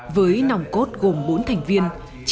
với nòng cốt gồm bốn thành viên